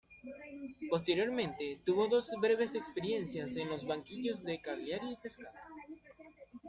Posteriormente, tuvo dos breves experiencias en los banquillos de Cagliari y Pescara.